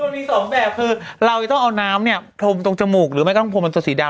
มีสองแบบคือเราจะต้องเอาน้ำเนี่ยพรมตรงจมูกหรือไม่ก็ต้องพรมมันจะสีดำ